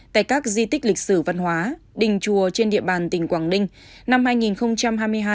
tại các di tích lịch sử văn hóa đình chùa trên địa bàn tỉnh quảng ninh năm hai nghìn hai mươi hai